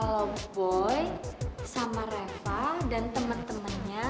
cowboy sama reva dan temen temennya